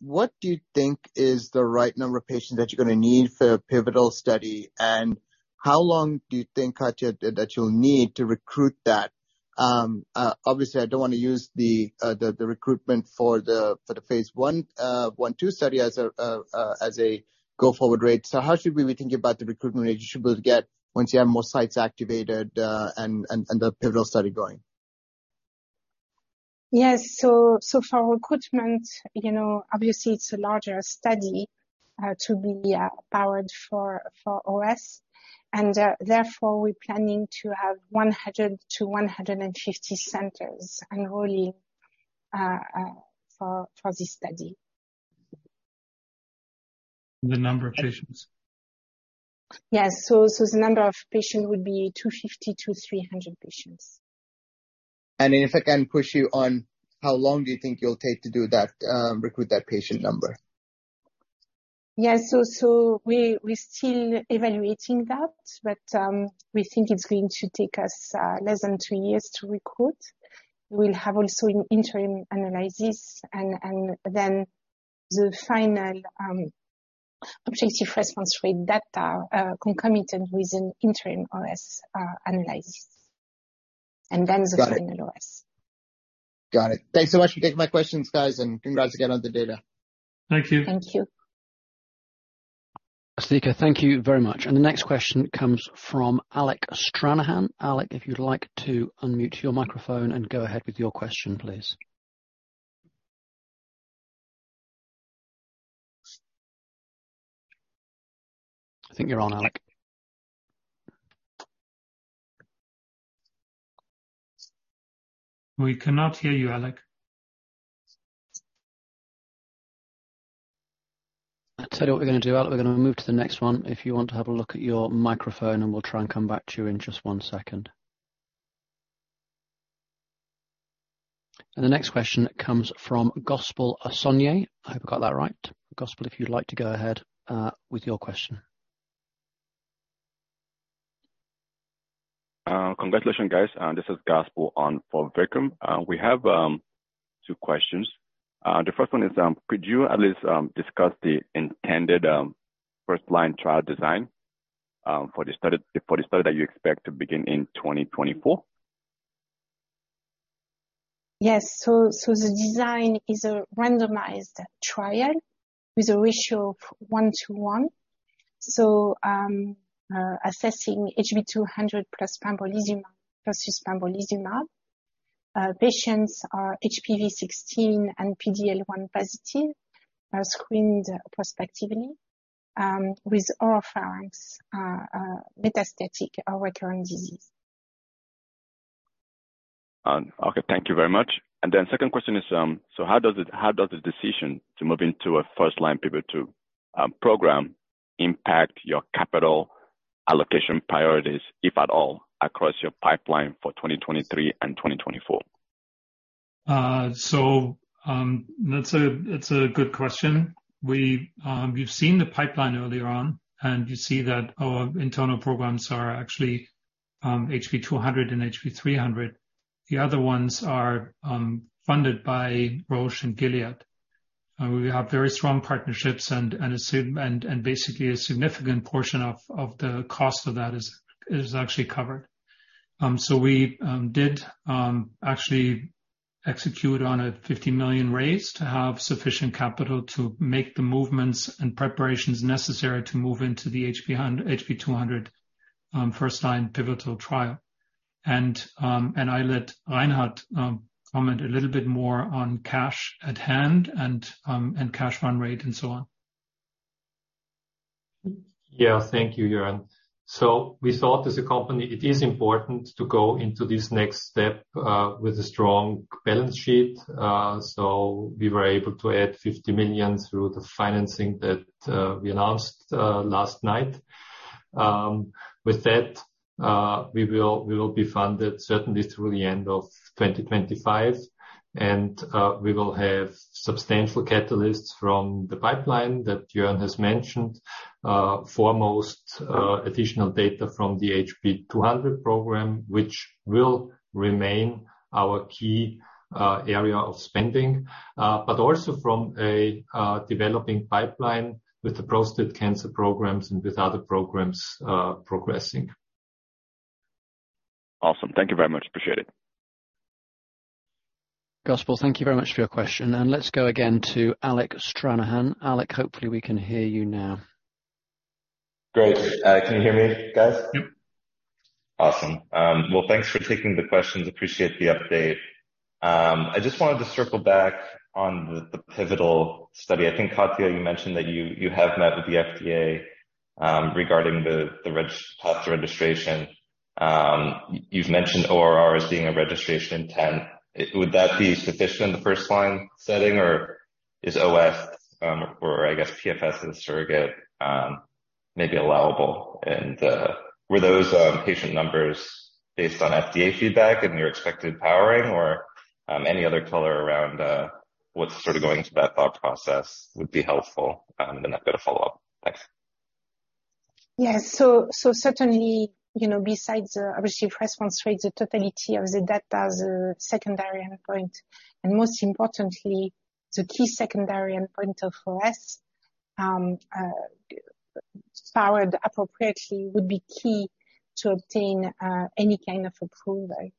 what do you think is the right number of patients that you're going to need for a pivotal study? How long do you think, Katia, that you'll need to recruit that? Obviously, I don't want to use the recruitment for the phase I/II study as a go-forward rate. How should we be thinking about the recruitment rate you should be able to get once you have more sites activated and the pivotal study going? Yes. for recruitment, you know, obviously it's a larger study, to be powered for OS, and therefore we're planning to have 100 to 150 centers enrolling for this study. The number of patients? Yes. The number of patients would be 250 to 300 patients. if I can push you on, how long do you think you'll take to do that, recruit that patient number? Yes. We're still evaluating that, but we think it's going to take us less than two years to recruit. We'll have also an interim analysis and then the final objective response rate data concomitant with an interim OS analysis. Got it. The final OS. Got it. Thanks so much for taking my questions, guys, and congrats again on the data. Thank you. Thank you. Asthika, thank you very much. The next question comes from Alec Stranahan. Alec, if you'd like to unmute your microphone and go ahead with your question, please. I think you're on, Alec. We cannot hear you, Alec. I tell you what we're going to do, Alec. We're going to move to the next one. If you want to have a look at your microphone, and we'll try and come back to you in just one second. The next question comes from Gospel Asonye. I hope I got that right. Gospel, if you'd like to go ahead with your question. Congratulations, guys. This is Gospel on for Vikram. We have two questions. The first one is, could you at least discuss the intended first-line trial design for the study that you expect to begin in 2024? Yes. The design is a randomized trial with a ratio of 1:1. Assessing HB-200 plus pembrolizumab versus pembrolizumab. Patients are HPV 16 and PD-L1 positive, are screened prospectively, with oropharynx, metastatic or recurrent disease. Okay, thank you very much. Second question is, how does this decision to move into a first line pivot to, program impact your capital allocation priorities, if at all, across your pipeline for 2023 and 2024? That's a, it's a good question. We, you've seen the pipeline earlier on, and you see that our internal programs are actually HB-200 and HB-300. The other ones are funded by Roche and Gilead. We have very strong partnerships and basically a significant portion of the cost of that is actually covered. We did actually execute on a $50 million raise to have sufficient capital to make the movements and preparations necessary to move into the HB-200 first line pivotal trial. I let Reinhard comment a little bit more on cash at hand and cash run rate and so on. Thank you, Jörn. We thought as a company, it is important to go into this next step with a strong balance sheet. We were able to add $50 million through the financing that we announced last night. With that, we will be funded certainly through the end of 2025, and we will have substantial catalysts from the pipeline that Juran has mentioned. Foremost, additional data from the HB-200 program, which will remain our key area of spending, but also from a developing pipeline with the prostate cancer programs and with other programs progressing. Awesome. Thank you very much. Appreciate it. Gospel, thank you very much for your question, and let's go again to Alec Stranahan. Alec, hopefully we can hear you now. Great. Can you hear me, guys? Yep. Awesome. Well, thanks for taking the questions. Appreciate the update. I just wanted to circle back on the pivotal study. I think, Katia, you mentioned that you have met with the FDA regarding the path to registration. You've mentioned ORR as being a registration intent. Would that be sufficient in the first line setting, or is OS, or I guess PFS as a surrogate, maybe allowable? Were those patient numbers based on FDA feedback and your expected powering, or any other color around what's sort of going into that thought process would be helpful, and I've got a follow-up. Thanks. Yes. Certainly, you know, besides the obvious response rate, the totality of the data as a secondary endpoint, and most importantly, the key secondary endpoint of OS, powered appropriately, would be key to obtain any kind of approval.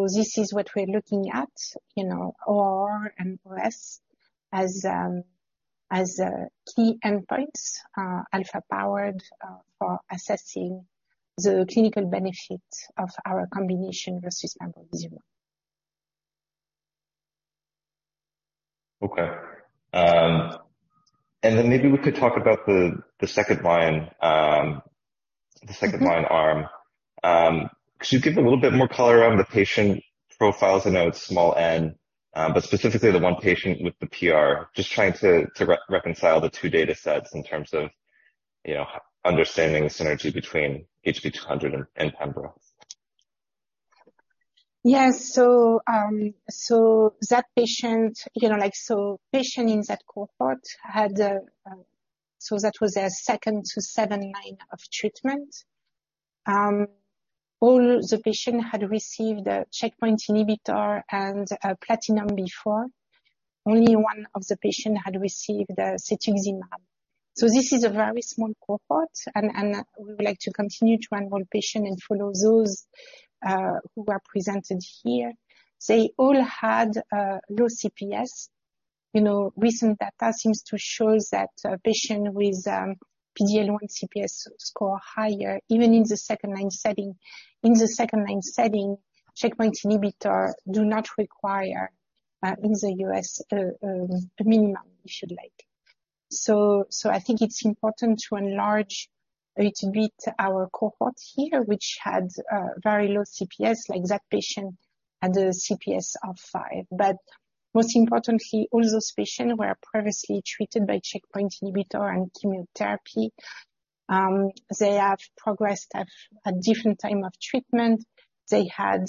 This is what we're looking at, you know, OR and OS as key endpoints, alpha powered for assessing the clinical benefit of our combination versus pembrolizumab. Okay. Maybe we could talk about the second line, the second line arm. Uhmm. Could you give a little bit more color around the patient profiles? I know it's small n, but specifically the one patient with the PR. Just trying to reconcile the two data sets in terms of, you know, understanding the synergy between HB-200 and pembro. Yes. That patient, you know, like, patient in that cohort had. That was their 2nd to 7th line of treatment. All the patient had received a checkpoint inhibitor and platinum before. Only one of the patient had received the cetuximab. This is a very small cohort, and we would like to continue to enroll patient and follow those who are presented here. They all had low CPS. You know, recent data seems to show us that a patient with PD-L1 CPS score higher, even in the 2nd-line setting. In the 2nd-line setting, checkpoint inhibitor do not require in the U.S. minimum, we should like. I think it's important to enlarge a little bit our cohort here, which had very low CPS, like that patient had a CPS of 5. Most importantly, all those patients were previously treated by checkpoint inhibitor and chemotherapy. They have progressed at a different time of treatment. They had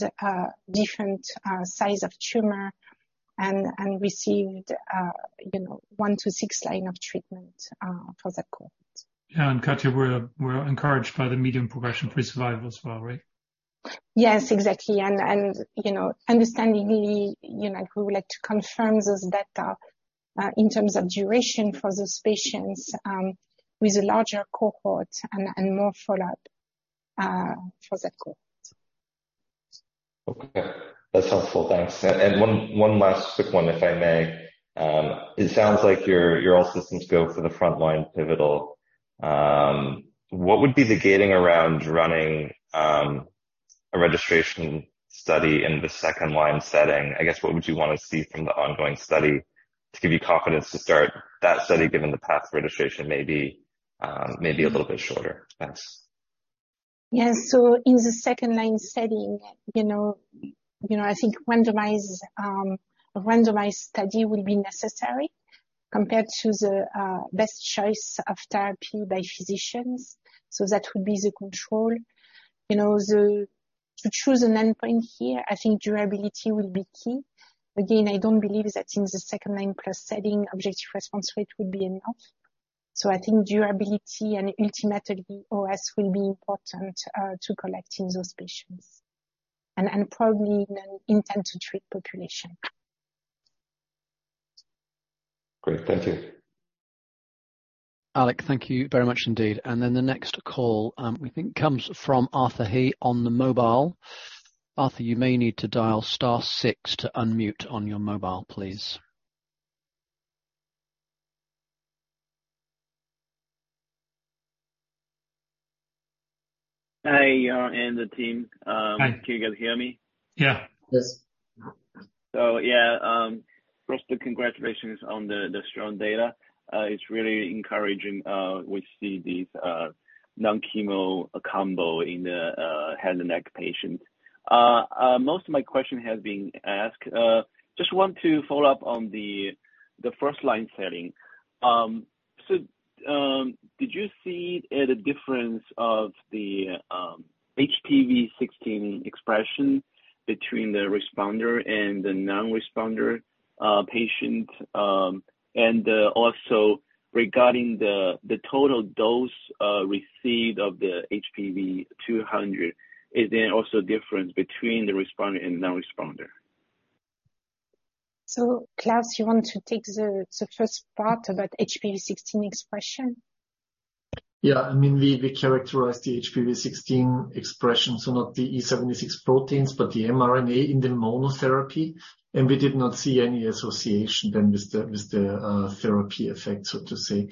different size of tumor. And received, you know, 1 to 6 line of treatment for the cohort. Yeah, Katia, we're encouraged by the medium progression-free survival as well, right? Yes, exactly. You know, understandingly, you know, we would like to confirm this data, in terms of duration for those patients, with a larger cohort and more follow-up, for that cohort. Okay. That's helpful. Thanks. One last quick one, if I may. It sounds like you're all systems go for the frontline pivotal. What would be the gating around running a registration study in the second line setting? I guess, what would you want to see from the ongoing study to give you confidence to start that study, given the path to registration may be a little bit shorter? Thanks. Yes. In the second line setting, you know, I think a randomized study will be necessary compared to the best choice of therapy by physicians, so that would be the control. You know, to choose an endpoint here, I think durability will be key. Again, I don't believe that in the 2nd-line plus setting, objective response rate will be enough. I think durability and ultimately OS will be important to collect in those patients, and probably in an intent to treat population. Great. Thank you. Alec, thank you very much indeed. The next call, we think comes from Arthur He on the mobile. Arthur, you may need to dial star six to unmute on your mobile, please. Hi, and the team. Hi. Can you guys hear me? Yeah. Yes. Yeah, first, congratulations on the strong data. It's really encouraging, we see this non-chemo combo in the head and neck patient. Most of my question has been asked. Just want to follow up on the first line setting. Did you see a difference of the HPV 16 expression between the responder and the non-responder patient? Also regarding the total dose received of the HB-200, is there also a difference between the responder and non-responder? Klaus, you want to take the first part about HPV 16 expression? I mean, we characterized the HPV 16 expression, so not the E76 proteins, but the mRNA in the monotherapy. We did not see any association then with the therapy effect, so to say.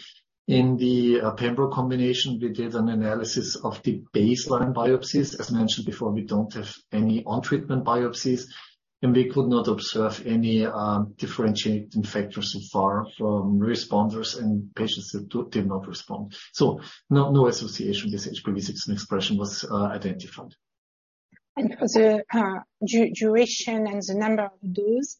In the pembro combination, we did an analysis of the baseline biopsies. As mentioned before, we don't have any on-treatment biopsies, and we could not observe any differentiating factors so far from responders and patients that did not respond. No, no association with HPV 16 expression was identified. For the duration and the number of dose,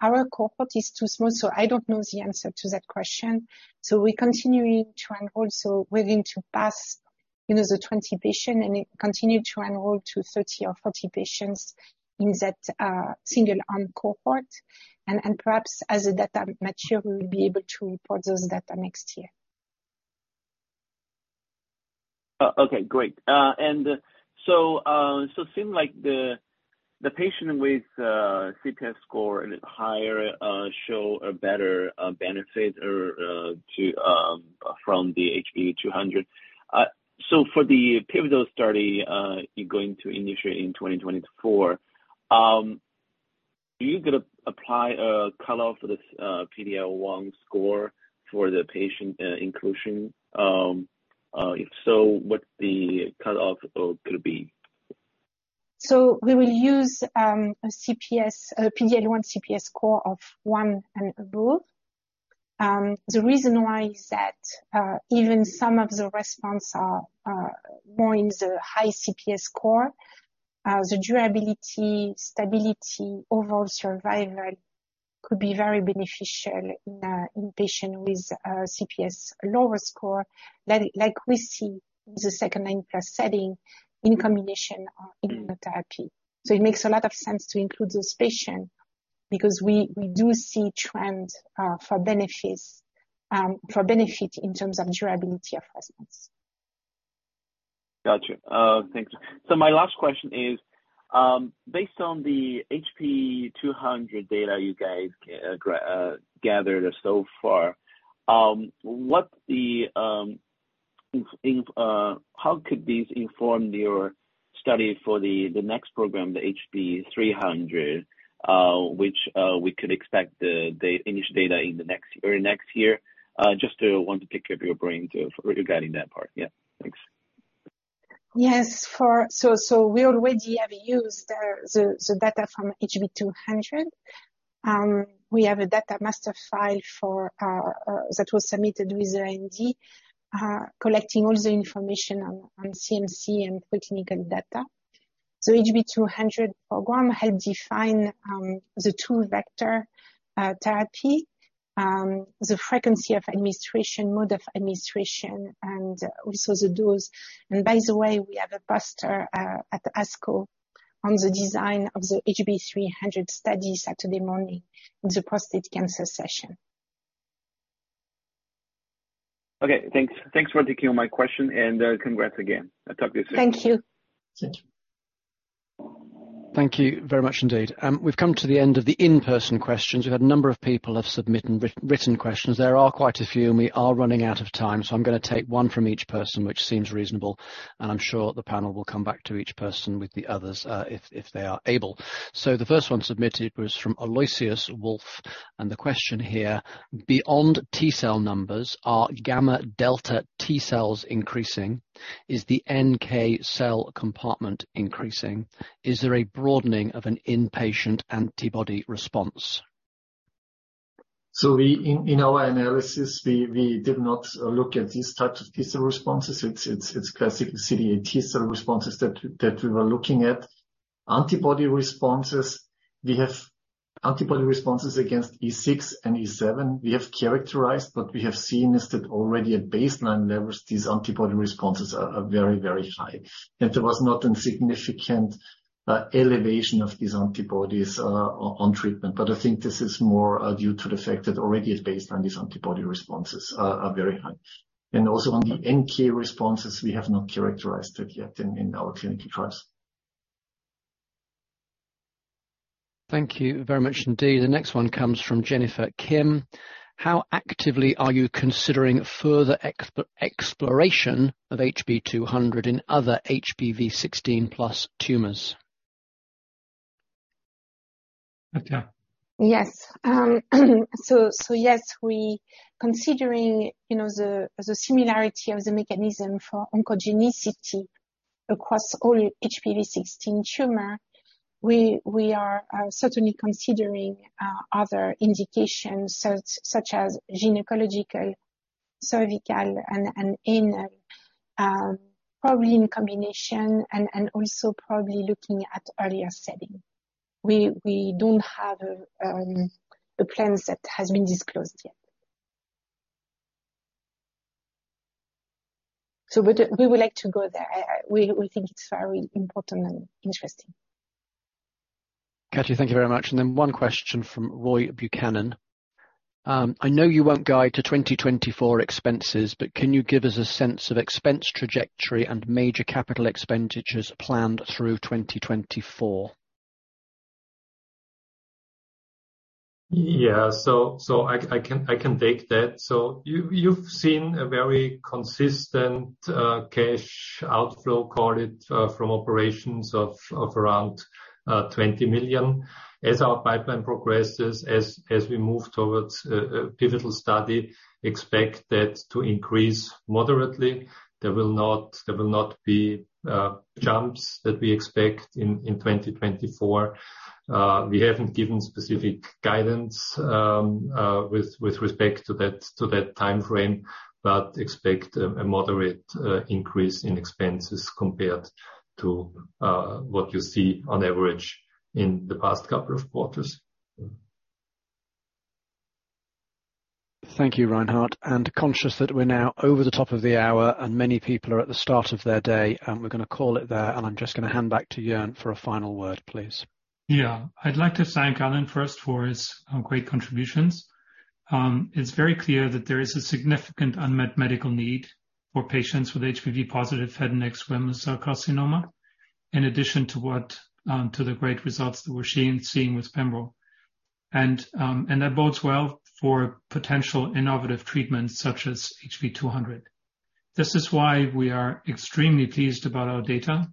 our cohort is too small, I don't know the answer to that question. We're continuing to enroll, we're going to pass, you know, the 20 patient, and we continue to enroll to 30 or 40 patients in that single-arm cohort. Perhaps as the data mature, we will be able to report those data next year. Okay, great. Seem like the patient with CPS score higher show a better benefit or to from the HB-200. For the pivotal study, you're gonna initiate in 2024, are you gonna apply a cutoff for this PD-L1 score for the patient inclusion? If so, what the cutoff gonna be? We will use a CPS, a PD-L1 CPS score of 1 and above. The reason why is that even some of the response are more in the high CPS score, the durability, stability, overall survival could be very beneficial in patient with a CPS lower score, like we see in the second-line plus setting in combination with therapy. It makes a lot of sense to include this patient because we do see trend for benefits, for benefit in terms of durability of response. Gotcha. Thanks. My last question is, based on the HB-200 data you guys gathered so far, what the, in how could this inform your study for the next program, the HB-300, which we could expect the initial data in the next or next year? Just to want to pick your brain to regarding that part. Yeah, thanks. Yes. We already have used, the data from HB-200. We have a Drug Master File for, that was submitted with the IND, collecting all the information on CMC and preclinical data. HB-200 program had defined, the 2 vector, therapy, the frequency of administration, mode of administration, and also the dose. By the way, we have a poster at ASCO on the design of the HB-300 study Saturday morning in the prostate cancer session. Okay, thanks. Thanks for taking my question, and congrats again. I'll talk to you soon. Thank you. Thank you. Thank you very much indeed. We've come to the end of the in-person questions. We've had a number of people have submitted written questions. There are quite a few, and we are running out of time, so I'm going to take one from each person, which seems reasonable, and I'm sure the panel will come back to each person with the others, if they are able. The first one submitted was from Aloysius Wolf, and the question here: Beyond T-cell numbers, are gamma delta T-cells increasing? Is the NK cell compartment increasing? Is there a broadening of an in-patient antibody response? We, in our analysis, did not look at these types of T-cell responses. It's classic CD8 T-cell responses that we were looking at. Antibody responses, we have antibody responses against E6 and E7. We have characterized, what we have seen is that already at baseline levels, these antibody responses are very high, and there was not a significant elevation of these antibodies on treatment. I think this is more due to the fact that already at baseline, these antibody responses are very high. Also, on the NK responses, we have not characterized it yet in our clinical trials. Thank you very much indeed. The next one comes from Jennifer Kim. How actively are you considering further exploration of HB-200 in other HPV 16 plus tumors? Katja? Yes. so, yes, we considering, you know, the similarity of the mechanism for oncogenicity across all HPV 16 tumor, we are certainly considering other indications, such as gynecological, cervical, and in probably in combination and also probably looking at earlier setting. We don't have the plans that has been disclosed yet. We would like to go there. We think it's very important and interesting. Katja, thank you very much. Then 1 question from Roy Buchanan. I know you won't guide to 2024 expenses, can you give us a sense of expense trajectory and major capital expenditures planned through 2024? Yeah. I can take that. You've seen a very consistent cash outflow, call it, from operations of around $20 million. As our pipeline progresses, as we move towards a pivotal study, expect that to increase moderately. There will not be jumps that we expect in 2024. We haven't given specific guidance with respect to that timeframe, but expect a moderate increase in expenses compared to what you see on average in the past couple of quarters. Thank you, Reinhard. Conscious that we're now over the top of the hour, and many people are at the start of their day, we're going to call it there, and I'm just going to hand back to Jörn for a final word, please. Yeah. I'd like to thank Alan first for his great contributions. It's very clear that there is a significant unmet medical need for patients with HPV positive head and neck squamous cell carcinoma, in addition to what to the great results that we're seeing with pembro. That bodes well for potential innovative treatments such as HB-200. This is why we are extremely pleased about our data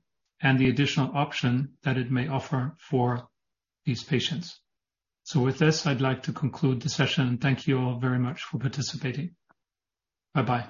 and the additional option that it may offer for these patients. With this, I'd like to conclude the session, and thank you all very much for participating. Bye-bye.